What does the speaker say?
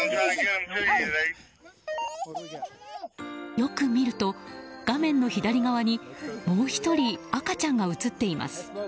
よく見ると画面の左側にもう１人、赤ちゃんが映っています。